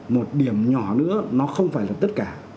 một điểm nhỏ nữa nó không phải là tất cả